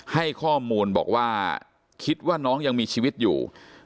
ให้ข้อมูลบอกว่าคิดว่าน้องยังมีชีวิตอยู่